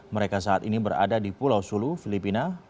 mereka saat ini berada di pulau sulu filipina